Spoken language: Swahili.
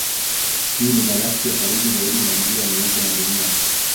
Hii ni galaksi ya karibu zaidi na Njia Nyeupe na Dunia.